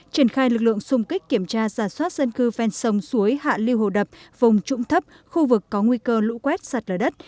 triển khai lực lượng xung kích kiểm tra giả soát dân cư ven sông suối hạ lưu hồ đập vùng trũng thấp khu vực có nguy cơ lũ quét sạt lở đất